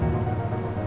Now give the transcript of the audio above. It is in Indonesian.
di luar itu